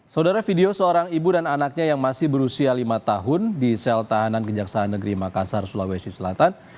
saudara video seorang ibu dan anaknya yang masih berusia lima tahun di sel tahanan kejaksaan negeri makassar sulawesi selatan